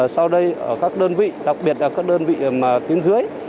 sau đây các đơn vị đặc biệt là các đơn vị kiếm dưới